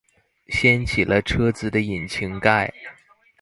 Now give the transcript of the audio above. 掀起了車子的引擎蓋